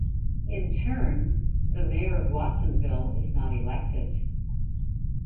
In turn, the mayor of Watsonville is not elected.